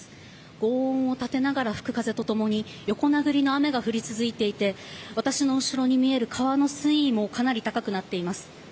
轟音を立てながら吹く風と共に横殴りの雨が降り続いていて私の後ろに見える川の水位もかなり高くなっています。